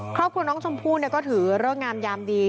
ครอบครัวน้องชมพู่ก็ถือเลิกงามยามดี